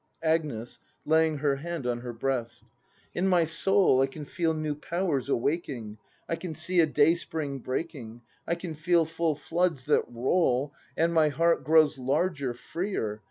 Agnes. [Laying her hand on her breast.] In my soul I can feel new powers awaking, I can see a dayspring breaking, I can feel full floods that roll, And my heart grows larger, freer.